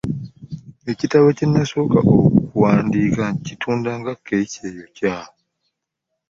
Ekitabo kye nasooka okuwandiika kitunda nga kkeeki eyokya.